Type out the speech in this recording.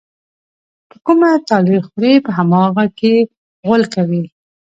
په کومه تالې خوري، په هماغه کې غول کوي.